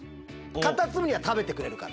カタツムリは食べてくれるから。